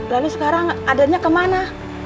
lalu sekarang adanya kemana